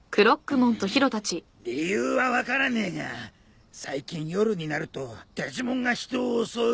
んー理由は分からねえが最近夜になるとデジモンが人を襲う。